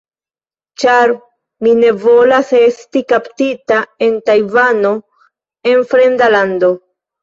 ĉar mi ne volas esti kaptita en Tajvano, en fremda lando